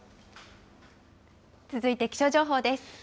続いて気象情報です。